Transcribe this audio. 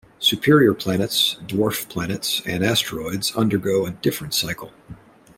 Superior planets, dwarf planets and asteroids undergo a different cycle.